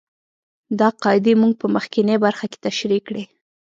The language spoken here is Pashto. دا قاعدې موږ په مخکینۍ برخه کې تشرېح کړې.